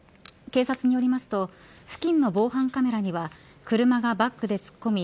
警察によりますと付近の防犯カメラには車がバックで突っ込み